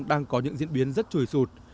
đang có những diễn biến rất trùi sụt